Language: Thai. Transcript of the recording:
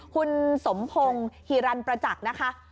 คุณสมพงศ์ฮิรันประจักษ์นะคะ